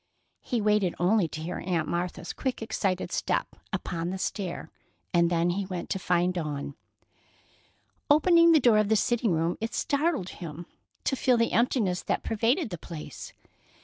He waited only to hear Aunt Martha's quick, excited step upon the stair, and then he went to find Dawn. Opening the door of the sitting room, it startled him to feel the emptiness that pervaded the place.